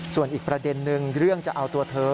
ส่วนอีกประเด็นนึงเรื่องจะเอาตัวเธอ